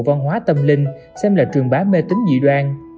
văn hóa tâm linh xem là truyền bá mê tính dị đoan